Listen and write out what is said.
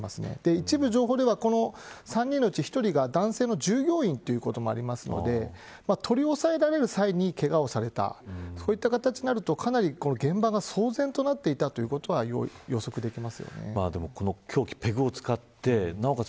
一部情報ではこの３人のうち１人が男性の従業員ということもあるので取り押さえられる際にけがをされたそういった形になるとかなり現場が騒然となっていたでもこの凶器、ペグを使ってなおかつ